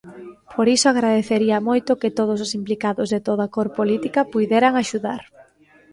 Por iso agradecería moito que todos os implicados de toda cor política puideran axudar.